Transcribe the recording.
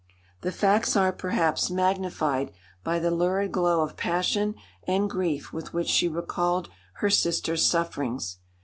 The facts are, perhaps, magnified by the lurid glow of passion and grief with which she recalled her sisters' sufferings.